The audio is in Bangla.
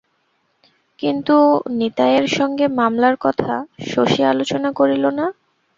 কিন্তু নিতায়ের সঙ্গে মামলার কথা শশী আলোচনা করিল না।